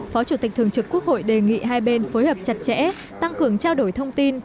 phó chủ tịch thường trực quốc hội đề nghị hai bên phối hợp chặt chẽ tăng cường trao đổi thông tin